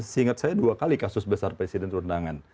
seingat saya dua kali kasus besar presiden turun tangan